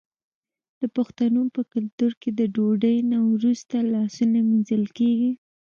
د پښتنو په کلتور کې د ډوډۍ نه وروسته لاسونه مینځل کیږي.